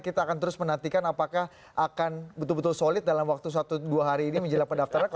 kita akan terus menantikan apakah akan betul betul solid dalam waktu satu dua hari ini menjelang pendaftaran